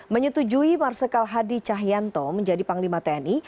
menyetujui marsikal hadi cahyanto menjadi panglima tni